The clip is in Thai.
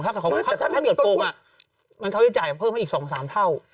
ถ้าเกิดโกงมันเขาจะจ่ายเพิ่มให้อีก๒๓เท่า